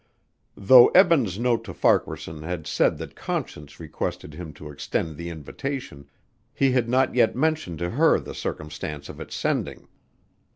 Though Eben's note to Farquaharson had said that Conscience requested him to extend the invitation, he had not yet mentioned to her the circumstance of its sending.